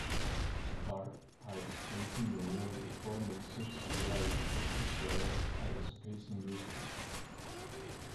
Stark Aerospace is the newly formed subsidiary of Israel Aerospace Industries.